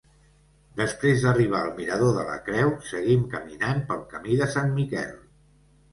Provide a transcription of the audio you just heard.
Després d'arribar al mirador de la Creu, seguim caminant pel camí de Sant Miquel.